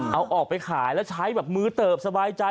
เอาออกไปขายแล้วใช้แบบมือเติบสบายใจ